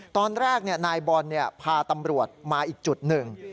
ตอนแรกนายบอลพาตำรวจมาอีกจุดหนึ่ง